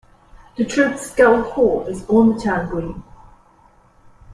The Troop's Scout Hall is on the town green.